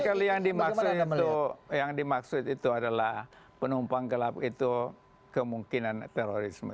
ya mungkin kalau yang dimaksud itu adalah penumpang gelap itu kemungkinan terorisme